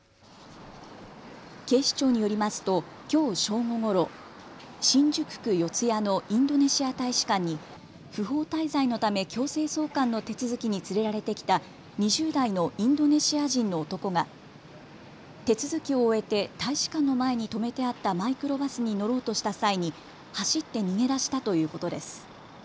警視庁によりますときょう正午ごろ、新宿区四谷のインドネシア大使館に不法滞在のため強制送還の手続きに連れられてきた２０代のインドネシア人の男が手続きを終えて大使館の前に止めてあったマイクロバスに乗ろうとした際に走って逃げ出したということです。